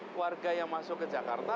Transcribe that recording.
keluarga yang masuk ke jakarta